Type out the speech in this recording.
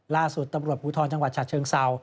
ล่าสุดตำรวจบุธรจังหวัดชาติเชิงเซา